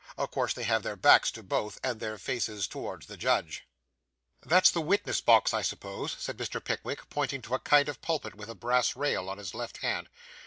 Of course they have their backs to both, and their faces towards the judge. 'That's the witness box, I suppose?' said Mr. Pickwick, pointing to a kind of pulpit, with a brass rail, on his left hand.